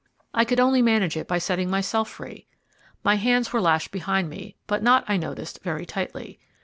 I could only manage it by setting myself free. My hands were lashed behind me, but not, I noticed, very tightly.